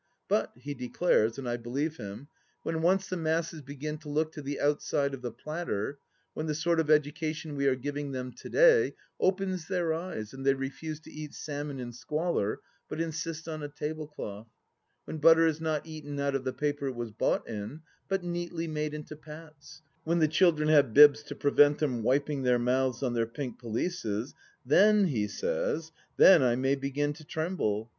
But, he declares, and I believe him, when once the masses begin to look to the outside of the platter ; when the sort of education we are giving them to day opens their eyes and they refuse to eat salmon in squalor, but insist on a tablecloth ; when butter is not eaten out of the paper it was bought in, but neatly made into pats ; when the children have bibs to prevent them wiping their mouths on their pink pelisses — ^then, he says, then I may begin to tremble